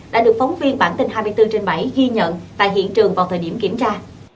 đã được phóng viên bản tin hai mươi bốn trên bảy ghi nhận tại hiện trường vào thời điểm kiểm tra